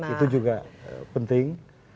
itu juga penting